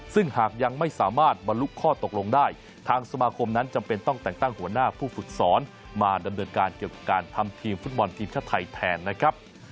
ซึ่งหากยังไม่สามารถบรรลุข้อตกลงได้ทางสมาคมนั้นจำเป็นต้องแต่งตั้งหัวหน้าผู้ฝึกสอนมาดำเนินการเกี่ยวกับการทำทีมฟุตบอลทีมชาติไทยแทนนะครับ